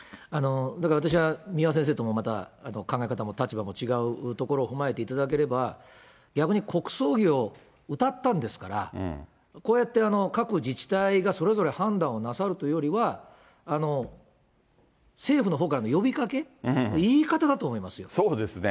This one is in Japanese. だから私は三輪先生ともまた考え方も立場も違うところを踏まえていただければ、逆に国葬儀をうたったんですから、こうやって各自治体がそれぞれ判断をなさるというよりは、政府のほうからの呼びかけ、そうですね。